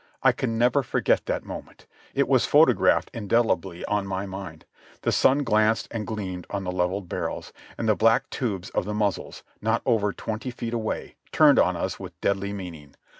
I can never forget that moment; it was photographed indelibly on my mind ; the sun glanced and gleamed on the leveled barrels, and the black tubes of the muz zles, not over twenty feet away, turned on us with deadly mean ing.